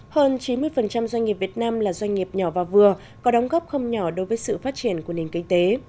hơn chín mươi doanh nghiệp việt nam là doanh nghiệp nhỏ và vừa có đóng góp không nhỏ đối với sự phát triển của nền kinh tế